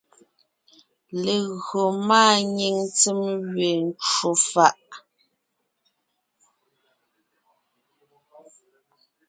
Légÿo máanyìŋ ntsèm gẅeen ncwò fàʼ,